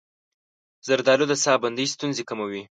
زردآلو د ساه بندۍ ستونزې کموي.